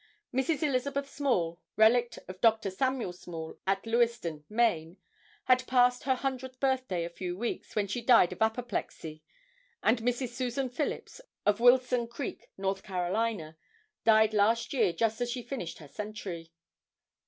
Mrs. Elizabeth Small, relict of Dr. Samuel Small, at Lewiston, Maine, had passed her hundredth birthday a few weeks, when she died of apoplexy; and Mrs. Susan Phillips, of Wilson Creek, N. C., died last year just as she finished her century.